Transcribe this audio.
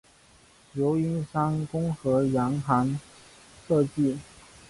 由英商公和洋行设计。